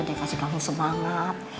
dia kasih kamu semangat